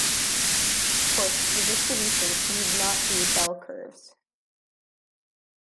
Of course, the distributions need not be bell-curves.